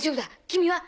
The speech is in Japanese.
君は？